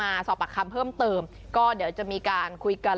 มาสอบปากคำเพิ่มเติมก็เดี๋ยวจะมีการคุยกัน